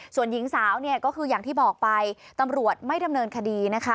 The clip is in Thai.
ส่วนหญิงสาวเนี่ยก็คืออย่างที่บอกไปตำรวจไม่ดำเนินคดีนะคะ